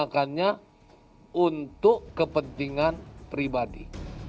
hanya untuk kepentingan pribadi